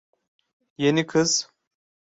Yeni kız.